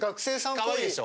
かわいいでしょ。